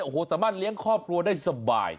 โอ้โหสามารถเลี้ยงครอบครัวได้สบาย